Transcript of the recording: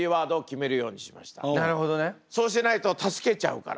そうしないと助けちゃうから。